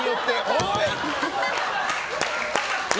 おい！